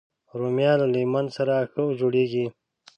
رومیان له لیمن سره ښه جوړېږي